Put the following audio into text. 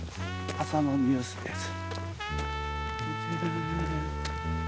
朝のニュースです。